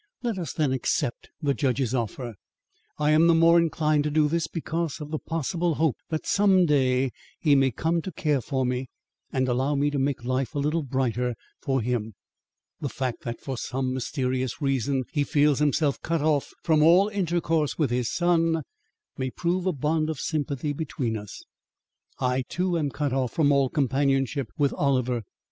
Let us then accept the judge's offer. I am the more inclined to do this because of the possible hope that some day he may come to care for me and allow me to make life a little brighter for him. The fact that for some mysterious reason he feels himself cut off from all intercourse with his son, may prove a bond of sympathy between us. I, too, am cut off from all companionship with Oliver.